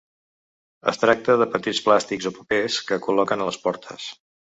Es tracta de petits plàstics o papers que col·loquen a les portes.